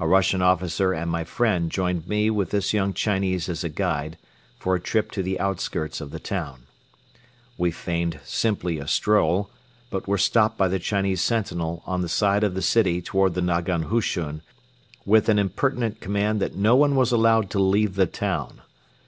A Russian officer and my friend joined me with this young Chinese as a guide for a trip to the outskirts of the town. We feigned simply a stroll but were stopped by the Chinese sentinel on the side of the city toward the nagan hushun with an impertinent command that no one was allowed to leave the town.